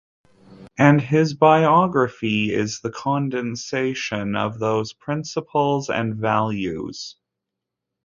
And his biography is the condensation of those principles and values.